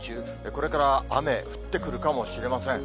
これから雨降ってくるかもしれません。